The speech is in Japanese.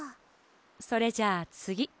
それじゃあつぎ。